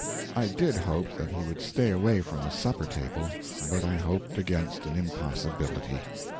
I did hope that he would stay away from the supper table, but I hoped against an impossibility.